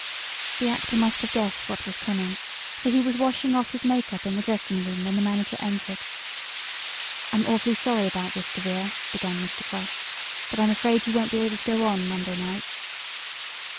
The actor must have guessed what was coming, for he was washing off his make up in the dressing room when the manager entered. "I'm awfully sorry about this, DeVere," began Mr. Cross. "But I'm afraid you won't be able to go on Monday night."